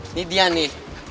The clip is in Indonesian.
ini dia nih